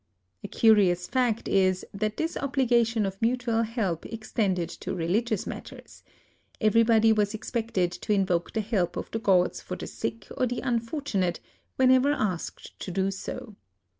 A curious fact is that this obligation of mutual help extended to religious matters : everybody was expected to invoke the help of the gods for the sick or the unfortunate, when ever asked to do so.